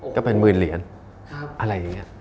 ก็เป็นหมื่นเหรียญอะไรอย่างนี้